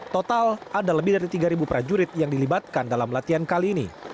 total ada lebih dari tiga prajurit yang dilibatkan dalam latihan kali ini